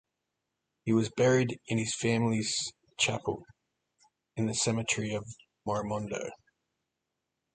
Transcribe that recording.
He was buried in his family's chapel in the cemetery of Morimondo.